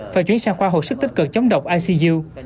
và chuyến sang khoa học sức tích cực chống độc icu